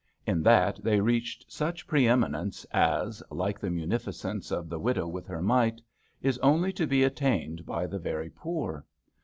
In that they reached such pre eminence as, like the munificence of the widow with her mite, is only to be attained by the very poor.